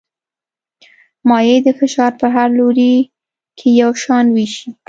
مایع د فشار په هر لوري کې یو شان وېشي.